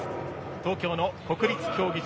東京の国立競技場。